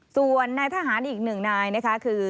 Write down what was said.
ส่วนนายทหารอีกหนึ่งนายนะคะคือ